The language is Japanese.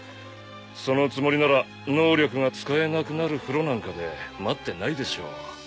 そのつもりなら能力が使えなくなる風呂なんかで待ってないでしょ。